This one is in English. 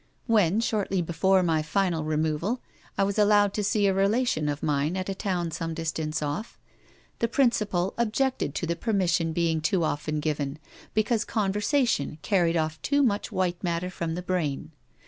When, shortly before my final removal, I was allowed to see a relation of mine at a town at some distance off, the principal objected to the permission being too often given, because conversation carried off too much white matter from the brain.